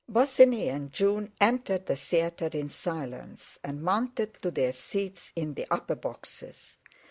Bosinney and June entered the theatre in silence, and mounted to their seats in the upper boxes.